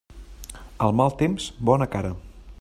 Al mal temps, bona cara.